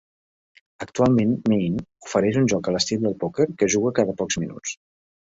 Actualment Maine ofereix un joc a l'estil del pòquer que es juga cada pocs minuts.